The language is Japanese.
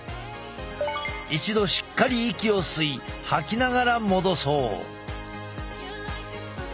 一度しっかり息を吸い吐きながら戻そう。